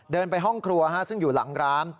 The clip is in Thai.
เดินไปห้องครัวซึ่งอยู่หลังร้าน